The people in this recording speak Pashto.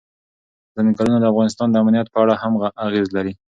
ځنګلونه د افغانستان د امنیت په اړه هم اغېز لري.